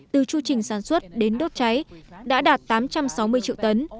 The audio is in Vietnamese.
từ chu trình sản xuất đến đốt cháy đã đạt tám trăm sáu mươi triệu tấn